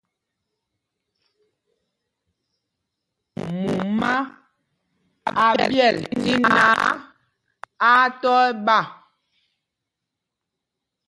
Mumá a ɓyɛl tí náǎ, á á tɔ ɛɓá.